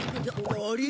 あれ？